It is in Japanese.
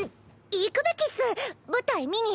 行くべきっス舞台見に。